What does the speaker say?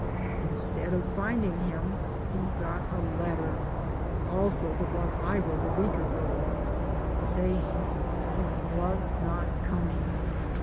Instead of find ing him he got a letter — also the one I wrote a week ago — saying he was not coming.